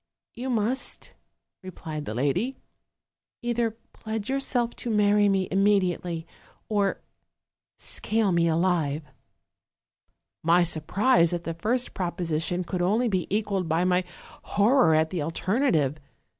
" 'You must,' replied the lady, 'either pledge yourself to marry me immediately, or scale me alive/ "My surprise at the first proposition could only be equaled by my horror at the alternative.